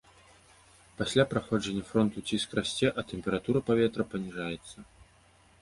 Пасля праходжання фронту ціск расце, а тэмпература паветра паніжаецца.